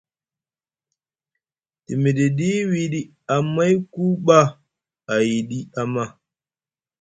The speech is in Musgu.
Te miɗiɗi wiɗi Amayku ɓa ayɗi ama.